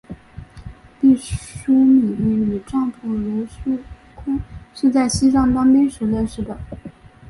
毕淑敏和丈夫芦书坤是在西藏当兵时认识的。